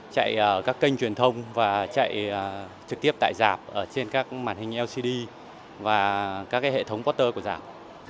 chạy ở các kênh truyền thông và chạy trực tiếp tại giạp trên các màn hình lcd và các hệ thống quarter của giạp